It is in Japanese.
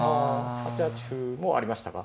８八歩もありましたか。